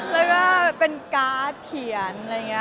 แล้วก็เป็นการ์ดเขียน